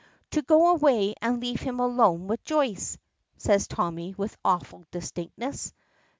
"To go away and leave him alone with Joyce," says Tommy, with awful distinctness.